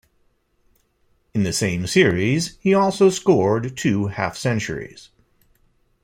In the same series he also scored two half-centuries.